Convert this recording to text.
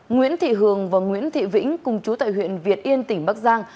nguyễn thị hường và nguyễn thị vĩnh cùng chú tại huyện việt yên tỉnh bắc giang